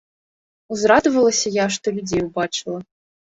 Узрадавалася я, што людзей убачыла.